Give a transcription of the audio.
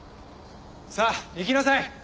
さあ行きなさい。